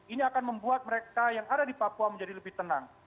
ini akan membuat mereka yang ada di papua menjadi lebih tenang